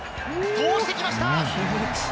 通してきました！